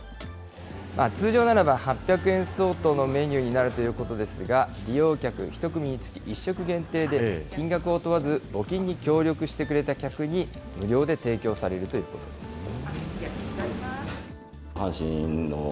通常ならば８００円相当のメニューになるということですが、利用客１組につき１食限定で、金額を問わず、募金に協力してくれた客に無料で提供されるということです。